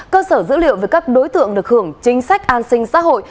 cơ sở dữ liệu về các đối tượng được hưởng chính sách an sinh xã hội